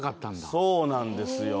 そうなんですよ。